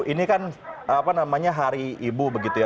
ini kan hari ibu begitu ya